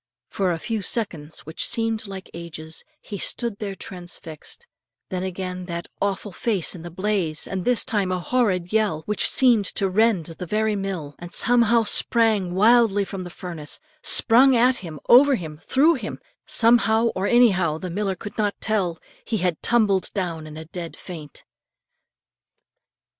For a few seconds which seemed like ages, he stood there transfixed; then again that awful face in the blaze, and this time a horrid yell which seemed to rend the very mill; and something sprang wildly from the furnace, sprung at him, over him, through him, somehow or anyhow, the miller could not tell, he had tumbled down in a dead faint.